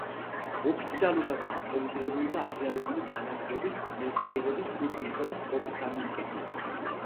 ოფიციალურადაა ავტორიზებული და აღიარებულია განათლების, მეცნიერების, კულტურისა და სპორტის სამინისტროს მიერ.